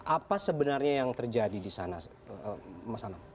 apa sebenarnya yang terjadi di sana mas anam